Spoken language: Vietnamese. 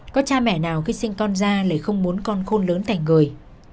có cha mẹ nào khi sinh con ra lại không muốn con khôn lớn thành người